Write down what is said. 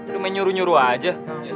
lo main nyuruh nyuruh aja